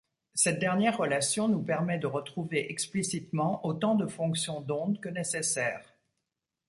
Cette dernière relation nous permet de retrouver explicitement autant de fonctions d'ondes que nécessaire.